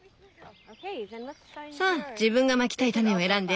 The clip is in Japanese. さあ自分がまきたい種を選んで。